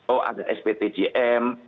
oh ada sptjm